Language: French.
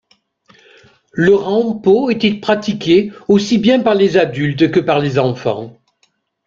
Le rampeau était pratiqué aussi bien par les adultes que les enfants.